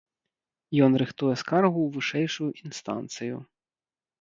Ён рыхтуе скаргу ў вышэйшую інстанцыю.